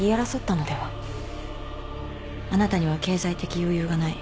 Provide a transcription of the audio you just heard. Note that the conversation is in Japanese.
あなたには経済的余裕がない。